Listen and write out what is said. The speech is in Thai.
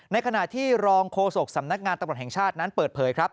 ในขณะที่รองโฆษกสำนักงานตำรวจแห่งชาตินั้นเปิดเผยครับ